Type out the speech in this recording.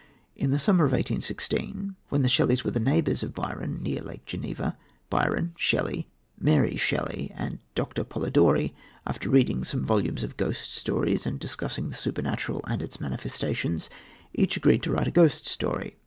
In the summer of 1816 when the Shelleys were the neighbours of Byron near Lake Geneva Byron, Shelley, Mary Shelley and Dr. Polidori, after reading some volumes of ghost stories and discussing the supernatural and its manifestations, each agreed to write a ghost story.